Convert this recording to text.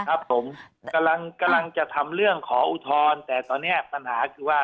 ครับผมกำลังกำลังจะทำเรื่องขออุทธรณ์แต่ตอนนี้ปัญหาคือว่า